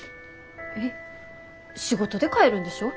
えっ仕事で帰るんでしょ？